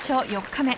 ４日目。